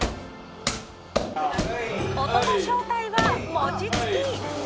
音の正体は、餅つき。